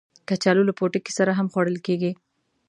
کچالو له پوټکي سره هم خوړل کېږي